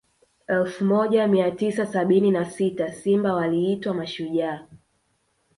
elfu moja mia tisa sabini na sita simba waliitwa mashujaa